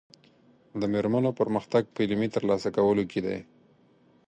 د مېرمنو پرمختګ په علمي ترلاسه کولو کې دی.